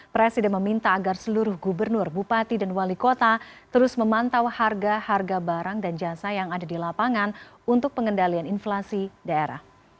presiden meminta agar seluruh gubernur bupati dan wali kota terus memantau harga harga barang dan jasa yang ada di lapangan untuk pengendalian inflasi daerah